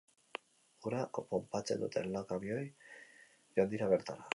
Ura ponpatzen duten lau kamioi joan dira bertara.